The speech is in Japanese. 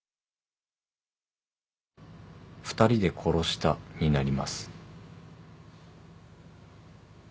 「２人で殺した」になります。